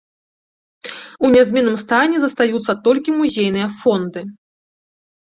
У нязменным стане застаюцца толькі музейныя фонды.